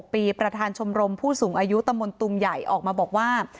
ปีประธานชมรมผู้สูงอายุตำบลตุมใหญ่ออกมาบอกว่า